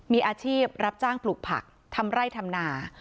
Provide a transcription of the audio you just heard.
มีอาชีพรับจ้างปลูกผักทำไร่ทำนา